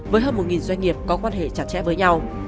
với hơn một doanh nghiệp có quan hệ chặt chẽ với nhau